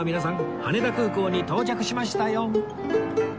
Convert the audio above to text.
羽田空港に到着しましたよ！